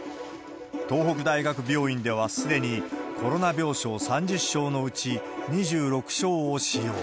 東北大学病院では、すでにコロナ病床３０床のうち、２６床を使用。